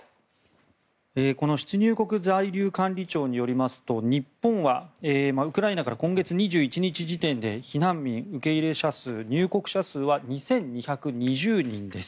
この出入国在留管理庁によりますと日本はウクライナからの今月２１日時点で避難民受け入れ者数、入国者数は２２２０人です。